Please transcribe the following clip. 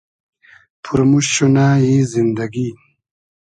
پورموشت شونۂ ای زیندئگی